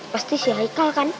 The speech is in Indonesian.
pasti si haikal kan